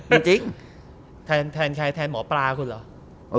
จริงแทนใครแทนหมอปลาคุณเหรอ